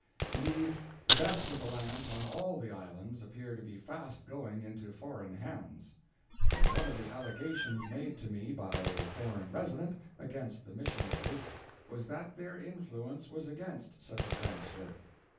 Indeed the best of the lands on all the islands appear to be fast going into foreign hands; and one of the allegations made to me by a foreign resident against the missionaries was that their influence was against such a transfer.